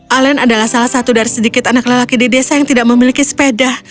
alen adalah salah satu dari sedikit anak lelaki di desa yang tidak memiliki sepeda